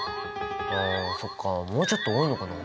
あそっかもうちょっと多いのかな。